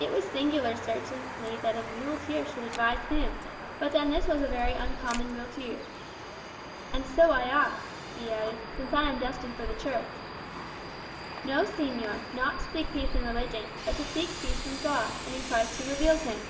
It was singular certainly that a muleteer should advise him; but then this was a very uncommon muleteer. "And so I ought," he added, "since I am destined for the Church." "No, señor; not to seek peace in religion, but to seek peace from God, and in Christ who reveals him."